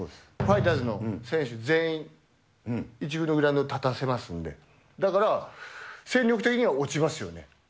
ファイターズの選手全員、１軍のグラウンドに立たせますんで、だから、戦力的には落ちますよね。